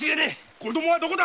子供はどこだ！